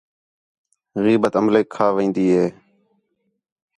غیبت عملیک کھا وین٘دی ہے